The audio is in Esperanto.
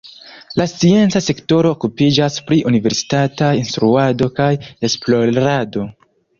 La scienca sektoro okupiĝas pri universitataj instruado kaj esplorado.